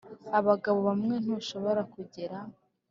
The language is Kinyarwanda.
abagabo bamwe ntushobora kugera.